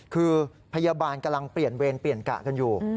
คือพยาบาลกำลังเปลี่ยนเวรเปลี่ยนกะกันอยู่